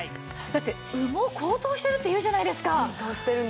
だって羽毛高騰してるっていうじゃないですか。